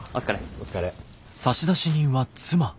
お疲れ。